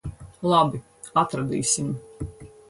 Labi. Atradīsim.